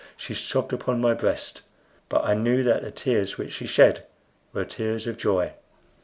She sobbed upon my breast, but I knew that the tears which she shed were tears of joy.